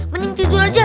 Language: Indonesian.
mending tidur aja